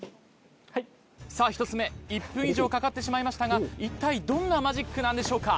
さあ１つ目１分以上かかってしまいましたがいったいどんなマジックなんでしょうか。